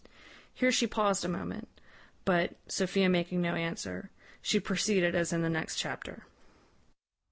Here she paused a moment; but, Sophia making no answer, she proceeded as in the next chapter.